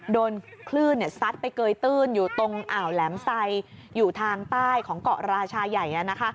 โดนคลื่นซัดไปเกยตื้นอยู่ตรงอ่าวแหลมไซอยู่ทางใต้ของเกาะราชาใหญ่